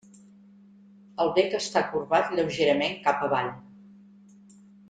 El bec està corbat lleugerament cap avall.